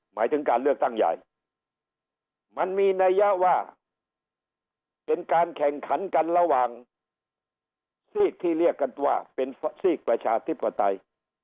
หมายถึงการเลือกตั้งใหญ่มันมีนัยยะว่าเป็นการแข่งขันกันระหว่างซีกที่เรียกกันว่าเป็นซีกประชาธิปไตย